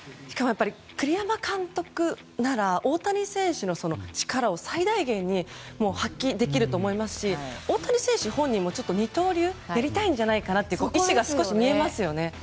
栗山監督なら大谷選手の力を最大限に発揮できると思いますし大谷選手本人も二刀流やりたいんじゃないかなという意思が少し見えますよね。